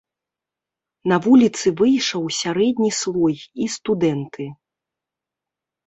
На вуліцы выйшаў сярэдні слой і студэнты.